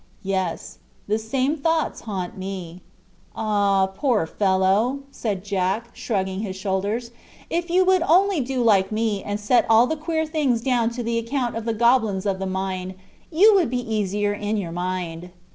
"Yes, the same thoughts haunt me." "Ah, poor fellow!" said Jack, shrugging his shoulders. "If you would only do like me, and set all the queer things down to the account of the goblins of the mine, you would be easier in your mind."